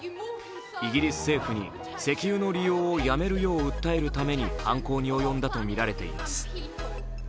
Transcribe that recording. イギリス政府に石油の利用をやめるよう訴えるために犯行に及んだとみられています。